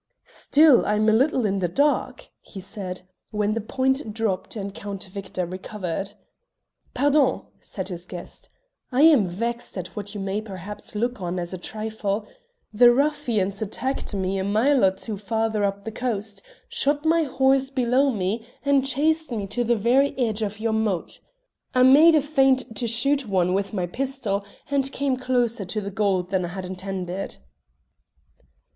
"Still I'm a little in the dark," he said when the point dropped and Count Victor recovered. "Pardon," said his guest. "I am vexed at what you may perhaps look on as a trifle. The ruffians attacked me a mile or two farther up the coast, shot my horse below me, and chased me to the very edge of your moat. I made a feint to shoot one with my pistol, and came closer on the gold than I had intended."